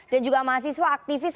dan juga mahasiswa aktivis